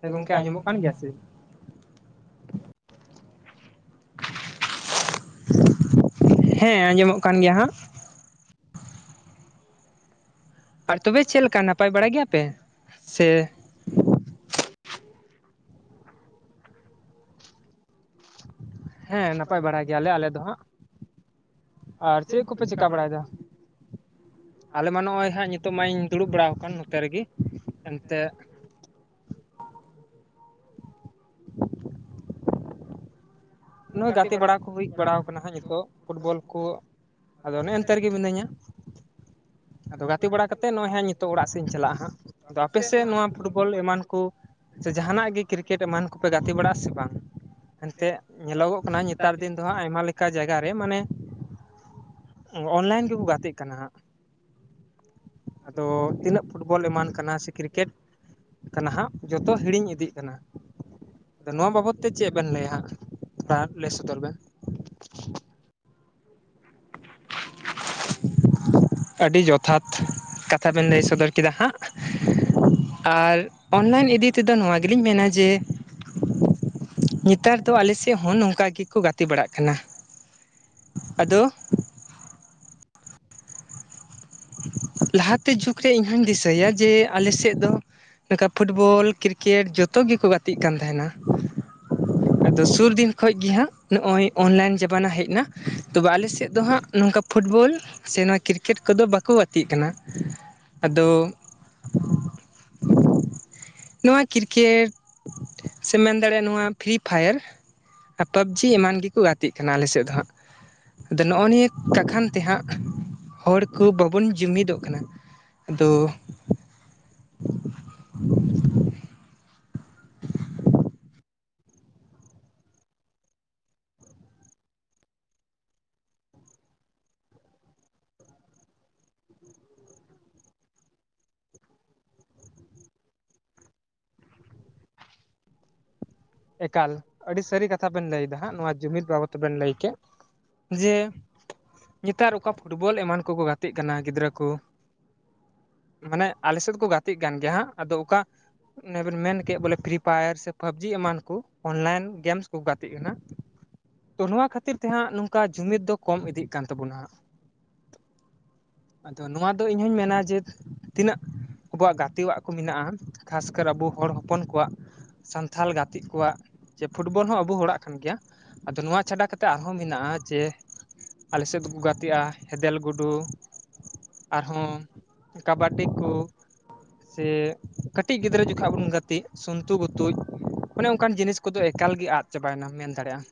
ᱦᱮᱸ ᱜᱚᱝᱠᱮ ᱟᱸᱡᱚᱢᱚᱜ ᱠᱟᱱ ᱜᱮᱭᱟ ᱪᱮ? [inaudible] ᱦᱮᱸ ᱟᱸᱡᱚᱢᱚᱜ ᱠᱟᱱ ᱜᱮᱭᱟ ᱦᱟᱸᱜ ᱾ ᱟᱨ ᱛᱚᱵᱮ ᱪᱮᱫ ᱞᱠᱟ ᱱᱟᱯᱟᱭ ᱵᱟᱲᱟ ᱜᱮᱭᱟ ᱯᱮ? ᱥᱮ [inaudible] ᱦᱮᱸ ᱱᱟᱯᱟᱭ ᱵᱟᱲᱟ ᱜᱮᱭᱟᱞᱮ ᱟᱞᱮ ᱫᱚ ᱦᱟᱸᱜ ᱾ ᱟᱨ ᱪᱮᱫ ᱠᱚᱯᱮ ᱪᱤᱠᱟᱹ ᱵᱟᱲᱟᱭᱮᱫᱟ [inaudible] ᱟᱞᱮ ᱢᱟ ᱱᱚᱜ-ᱚᱭ ᱦᱟᱸᱜ ᱱᱤᱛ ᱱᱤᱛᱚᱜ ᱢᱟᱧ ᱫᱩᱲᱩᱵ ᱵᱟᱲᱟ ᱟᱠᱟᱱ ᱱᱚᱛᱮ ᱨᱮᱜᱮ ᱾ ᱮᱱᱛᱮᱫ ᱱᱚᱜᱼᱚᱭ [inaudible] ᱱᱚᱜ-ᱚᱭ ᱜᱟᱛᱮ ᱵᱟᱲᱟ ᱠᱚ ᱦᱩᱭ ᱵᱟᱲᱟ ᱠᱟᱱᱟ ᱦᱟᱸᱜ, ᱱᱤᱛᱚᱜ ᱯᱷᱩᱴᱵᱚᱞ ᱠᱚ ᱟᱫᱚ ᱚᱱᱮ ᱮᱱᱛᱮ ᱨᱮᱜᱮ ᱢᱤᱱᱟᱹᱧᱟ ᱾ ᱟᱫᱚ ᱜᱟᱛᱮ ᱵᱟᱲᱟ ᱠᱟᱛᱮᱫ ᱱᱚᱜ-ᱚᱭ ᱦᱟᱸᱜ ᱱᱤᱛᱚᱜ ᱚᱲᱟᱜ ᱥᱮ ᱤᱧ ᱪᱟᱞᱟᱜ-ᱟ ᱦᱟᱸᱜ ᱾ ᱟᱫᱚ ᱟᱯᱮ ᱥᱮᱫ ᱱᱚᱣᱟ ᱯᱷᱩᱴᱵᱚᱞ ᱮᱢᱟᱱ ᱠᱚ [unintelligible] ᱡᱟᱦᱟᱱᱟᱜ ᱜᱮ ᱠᱨᱤᱠᱮᱴ ᱮᱢᱟᱱ ᱠᱚᱯᱮ ᱜᱟᱛᱮ ᱵᱟᱲᱟᱜ-ᱟ ᱥᱮ ᱵᱟᱝ? ᱮᱱᱛᱮᱫ ᱮᱱᱛᱮᱜ ᱧᱮᱞᱚᱜᱚᱜ ᱠᱟᱱᱟ ᱱᱮᱛᱟᱨ ᱫᱤᱱ ᱫᱚ ᱦᱟᱸᱜ ᱟᱭᱢᱟ ᱞᱮᱠᱟ ᱡᱟᱭᱜᱟ ᱨᱮ ᱢᱟᱱᱮ ᱚᱱᱞᱟᱭᱤᱱ ᱜᱮᱠᱚ ᱜᱟᱛᱮᱜ ᱠᱟᱱᱟ ᱦᱟᱸᱜ ᱾ ᱟᱫᱚ ᱛᱤᱱᱟᱹᱜ ᱯᱷᱩᱴᱵᱚᱞ ᱮᱢᱟᱱ ᱠᱟᱱᱟ ᱥᱮ ᱠᱨᱤᱠᱮᱴ ᱠᱟᱱᱟ ᱦᱟᱸᱜ ᱡᱚᱛᱚ ᱦᱤᱲᱤᱧ ᱤᱫᱤᱜ ᱠᱟᱱᱟ ᱾ [inaudible] ᱟᱫᱚ ᱱᱚᱣᱟ ᱵᱟᱵᱚᱫ ᱛᱮ ᱪᱮᱫ ᱵᱮᱱ ᱞᱟᱹᱭᱟ ᱦᱟᱸᱜ? ᱚᱱᱟ ᱦᱟᱸᱜ ᱞᱟᱹᱭ ᱥᱚᱫᱚᱨ ᱵᱮᱱ ᱾ [inaudible] ᱟᱹᱰᱤ ᱡᱚᱛᱷᱟᱛ ᱠᱟᱛᱷᱟ ᱵᱮᱱ ᱞᱟᱹᱭ ᱥᱚᱫᱚᱨ ᱠᱮᱫᱟ ᱦᱟᱸᱜ ᱾ ᱟᱨ ᱚᱱᱞᱟᱭᱤᱱ ᱤᱫᱤ ᱛᱮᱫᱚ ᱱᱚᱣᱟ ᱜᱮᱞᱤᱧ ᱢᱮᱱᱟ ᱡᱮ [inaudible] ᱱᱮᱛᱟᱨ ᱫᱚ ᱟᱞᱮ ᱥᱮᱫ ᱦᱚᱸ ᱱᱚᱝᱠᱟ ᱜᱮᱠᱚ ᱜᱟᱛᱮ ᱵᱟᱲᱟᱜ ᱠᱟᱱᱟ ᱾ ᱟᱫᱚ ᱞᱟᱦᱟ ᱛᱮ ᱡᱩᱜᱽ ᱨᱮ ᱤᱧᱦᱚᱧ ᱫᱤᱥᱟᱹᱭᱟ ᱡᱮ ᱟᱞᱮ ᱥᱮᱫ ᱫᱚ ᱱᱚᱸᱠᱟ ᱯᱷᱩᱴᱵᱚᱞ ᱠᱨᱤᱠᱮᱴ ᱡᱚᱛᱚ ᱜᱮᱠᱚ ᱜᱟᱛᱮᱜ ᱠᱟᱱ ᱛᱟᱦᱮᱱᱟ ᱾ [inaudible] ᱟᱫᱚ ᱥᱩᱨ ᱫᱤᱱ ᱠᱷᱚᱡ ᱜᱮ ᱦᱟᱸᱜ ᱱᱚᱜᱼᱚᱭ ᱚᱱᱞᱟᱭᱤᱱ ᱡᱟᱢᱟᱱᱟ ᱦᱮᱡ ᱮᱱᱟ ᱾ ᱛᱚᱵᱮ ᱟᱞᱮ ᱥᱮᱫ ᱫᱚ ᱦᱟᱸᱜ ᱱᱚᱝᱠᱟ ᱯᱷᱩᱴᱵᱚᱞ ᱥᱮ ᱱᱚᱣᱟ ᱠᱨᱤᱠᱮᱴ ᱠᱚᱫᱚ ᱵᱟᱠ ᱚ ᱜᱟᱛᱮᱜ ᱠᱟᱱᱟ ᱾ᱟᱫᱚ [inaudible] ᱱᱚᱣᱟ ᱠᱨᱤᱠᱮᱴ ᱥᱮᱢ ᱢᱮᱱ ᱫᱟᱲᱮᱭᱟᱜᱼᱟ ᱱᱚᱣᱟ ᱯᱷᱨᱤ ᱯᱷᱟᱭᱟᱨ ᱟᱨ ᱯᱟᱵᱡᱤ ᱮᱢᱟᱱ ᱜᱮᱠᱚ ᱜᱟᱛᱮᱜ ᱠᱟᱱᱟ ᱟᱞᱮ ᱥᱮᱫ ᱫᱚ ᱦᱟᱸᱜ ᱾ ᱟᱫᱚ ᱱᱚᱜᱼᱚ ᱱᱤᱭᱟᱹ ᱠᱟᱠᱷᱟᱱ ᱛᱮᱦᱟᱸᱜ ᱦᱚᱲ ᱠᱚ ᱵᱟ ᱵᱚᱱ ᱡᱩᱢᱤᱫᱚᱜ ᱠᱟᱱᱟ ᱟᱫᱚ ᱮᱠᱟᱞ ᱟᱹᱰᱤ ᱥᱟᱹᱨᱤ ᱠᱟᱛᱷᱟ ᱵᱮᱱ ᱞᱟᱹᱭ ᱮᱫᱟ ᱦᱟᱸᱜ ᱱᱚᱣᱟ ᱡᱩᱢᱤᱫ ᱵᱟᱵᱚᱫ ᱛᱮᱵᱮᱱ ᱞᱟᱹᱭ ᱠᱮᱫ ᱾ ᱡᱮ ᱱᱮᱛᱟᱨ ᱚᱠᱟ ᱯᱷᱩᱴᱵᱚᱞ ᱮᱢᱟᱱ ᱠᱚᱠᱚ ᱜᱟᱛᱮᱜ ᱠᱟᱱᱟ ᱜᱤᱫᱽᱨᱟᱹ ᱠᱚ ᱾ ᱢᱟᱱᱮ ᱟᱞᱮ ᱥᱮᱫ ᱫᱚᱠᱚ ᱜᱟᱛᱮᱜ ᱠᱟᱱ ᱜᱮᱭᱟ ᱦᱟᱸᱜ ᱾ ᱟᱫᱚ ᱚᱠᱟ ᱚᱱᱮ ᱵᱮᱱ ᱢᱮᱱ ᱠᱮᱫ ᱵᱚᱞᱮ ᱯᱷᱨᱤ ᱯᱷᱟᱭᱟᱨ ᱥᱮ ᱯᱟᱵᱽᱡᱤ ᱮᱢᱟᱱ ᱠᱩ ᱚᱱᱞᱟᱭᱤᱱ ᱜᱮᱢᱥ ᱠᱚ ᱜᱟᱛᱮᱜ ᱠᱟᱱᱟ ᱾ ᱛᱚ ᱱᱚᱣᱟ ᱠᱷᱟᱹᱛᱤᱨ ᱛᱮ ᱦᱟᱸᱜ ᱱᱚᱝᱠᱟ ᱡᱩᱢᱤᱫ ᱫᱚ ᱠᱚᱢ ᱤᱫᱤᱜ ᱠᱟᱱ ᱛᱟᱵᱚᱱᱟ ᱾ ᱟᱫᱚ ᱱᱚᱣᱟ ᱫᱚ ᱤᱧᱦᱚᱸᱧ ᱢᱮᱱᱟ ᱡᱮ ᱛᱤᱱᱟᱹᱜ ᱟᱵᱚᱣᱟᱜ ᱜᱟᱛᱮᱣᱟᱜ ᱠᱚ ᱢᱮᱱᱟᱜᱼᱟ ᱾ ᱠᱷᱟᱥᱠᱟᱨ ᱟᱵᱚ ᱦᱚᱲ ᱦᱚᱯᱚᱱ ᱠᱚᱣᱟᱜ ᱥᱟᱱᱛᱷᱟᱞ ᱜᱟᱛ ᱤᱜ ᱠᱚᱣᱟᱜ ᱪᱮ ᱯᱷᱩᱴᱵᱚᱞ ᱦᱚᱸ ᱟᱵᱩ ᱦᱚᱲᱟᱜ ᱠᱟᱱ ᱜᱮᱭᱟ ᱾ ᱟᱫᱚ ᱱᱚᱣᱟ ᱪᱷᱟᱰᱟ ᱠᱟᱛᱮᱫ ᱟᱨᱦᱚᱸ ᱢᱮᱱᱟᱜᱼᱟ ᱡᱮ ᱟᱞᱮ ᱥᱮᱫ ᱫᱚᱠᱚ ᱜᱟᱛᱮᱜᱼᱟ ᱦᱮᱫᱮᱞ ᱜᱩᱰᱩ ᱟᱨᱦᱚᱸ ᱠᱟᱵᱟᱰᱤ ᱠᱩ ᱾ ᱥᱮ ᱠᱟᱹᱴᱤᱡ ᱜᱤᱫᱽᱨᱟᱹ ᱡᱚᱠᱷᱟᱜ ᱵᱩᱱ ᱜᱟᱛᱮ ᱥᱩᱱᱛᱩ ᱵᱩᱛᱩᱡᱼᱼ ᱚᱱᱮ ᱚᱱᱠᱟᱱ ᱡᱤᱱᱤᱥ ᱠᱚᱫᱚ ᱮᱠᱟᱞ ᱜᱮ ᱟᱫ ᱪᱟᱵᱟᱭᱮᱱᱟ ᱢᱮᱱ ᱫᱟᱲᱮᱭᱟᱜᱼᱟ᱾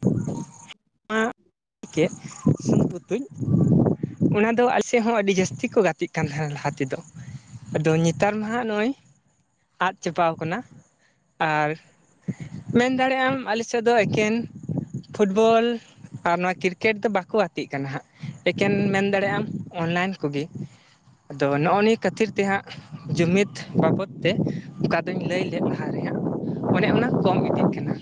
ᱛᱚ [inaudible] ᱠᱮᱫ ᱥᱩᱸᱛᱩ ᱜᱩᱛᱩᱧ [inaudible] ᱚᱱᱟ ᱫᱚ ᱟᱞᱮ ᱥᱮᱫ ᱦᱚᱸ ᱟᱹᱰᱤ ᱡᱟᱹᱥᱛᱤ ᱠᱚ ᱜᱟᱛᱮᱜ ᱠᱟᱱ ᱛᱟᱦᱮᱱᱟ ᱞᱟᱦᱟ ᱛᱮᱫᱚ᱾ ᱟᱫᱚ ᱱᱮᱛᱟᱨ ᱢᱟ ᱦᱟᱜ ᱱᱚᱜᱼᱚᱭ ᱟᱫ ᱪᱟᱵᱟᱣ ᱠᱟᱱᱟ᱾ ᱟᱨ ᱢᱮᱱ ᱫᱟᱲᱮᱭᱟᱜ ᱟᱢ ᱟᱞᱮᱥᱮᱫ ᱫᱚ ᱮᱠᱮᱱ ᱯᱷᱩᱴᱵᱚᱞᱼᱼ ᱟᱨ ᱱᱚᱣᱟ ᱠᱨᱤᱠᱮᱴ ᱫᱚ ᱵᱟᱠᱚ ᱜᱟᱛᱮᱜ ᱠᱟᱱᱟ ᱦᱟᱸᱜ ᱮᱠᱮᱱ ᱢᱮᱱ ᱫᱟᱲᱮᱭᱟᱜᱼᱟ ᱟᱢ ᱚᱱᱞᱟᱭᱤᱱ ᱠᱚᱜᱮ ᱟᱫᱚ ᱱᱚᱜᱼᱚ ᱱᱤᱭᱟᱹ ᱠᱷᱟᱹᱛᱤᱨ ᱛᱮᱦᱟᱸᱜ ᱡᱩᱢᱤᱫ ᱵᱟᱵᱚᱫᱼᱼ ᱛᱮ ᱚᱠᱟ ᱫᱚᱧ ᱞᱟᱹᱭ ᱞᱮᱫ ᱞᱟᱦᱟ ᱨᱮᱦᱟᱸᱜ ᱚᱱᱮ ᱚᱱᱟ ᱠᱚᱢ ᱤᱫᱤᱜ ᱠᱟᱱᱟ᱾